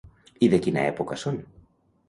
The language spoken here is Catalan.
I de quina època són?